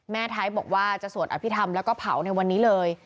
ท้ายบอกว่าจะสวดอภิษฐรรมแล้วก็เผาในวันนี้เลย